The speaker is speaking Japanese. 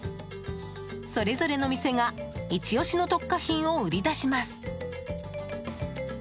それぞれの店がイチ押しの特価品を売り出します。